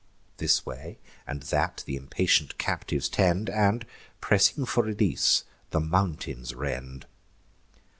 This way and that th' impatient captives tend, And, pressing for release, the mountains rend.